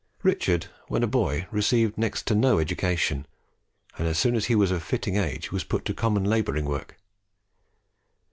Richard, when a boy, received next to no education, and as soon as he was of fitting age was put to common labouring work.